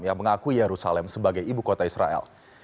yang mengakui yerusalem sebagai ibu kota israel